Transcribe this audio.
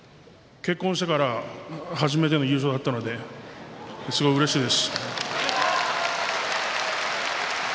結婚してから初めての優勝だったのでとてもうれしいです。